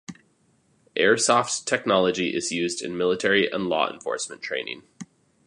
Airsoft technology is used in military and law enforcement training.